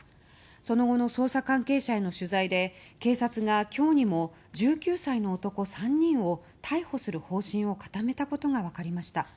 その後の捜査関係者への取材で警察が今日にも１９歳の男３人を逮捕する方針を固めたことが分かりました。